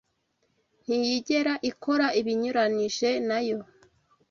Ntiyigera ikora ibinyuranyije na yo